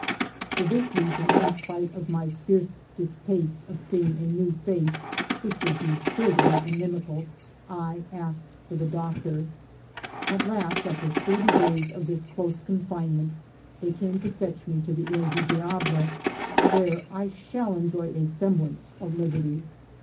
For this reason, in spite of my fierce distaste of seeing a new face, which would be sure to be inimical, I asked for the doctor. At last, after thirtv davs of this close confine ment, they came to fetch me to the lie du Diable, where I shall enjov a semblance of liberty.